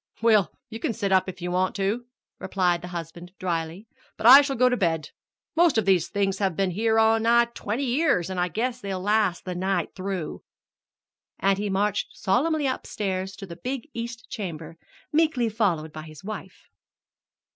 "Well, you can sit up if you want to," replied her husband dryly, "but I shall go to bed. Most of these things have been here nigh on to twenty years, an' I guess they'll last the night through." And he marched solemnly upstairs to the big east chamber, meekly followed by his wife.